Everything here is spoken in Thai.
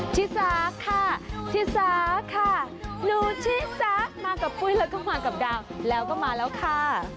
ที่สาข้าที่สาข้าหนูที่สาข้ามากับปุ้ยแล้วก็มากับดาวแล้วก็มาแล้วค่ะ